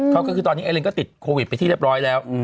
เขาก็คือตอนนี้ไอลินก็ติดโควิดไปที่เรียบร้อยแล้ว